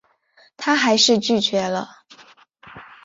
她还是拒绝了